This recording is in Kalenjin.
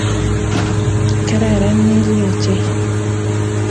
Kararan Millie ochei